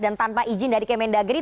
dan tanpa izin dari kemendagri